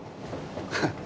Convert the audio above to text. ハハッ。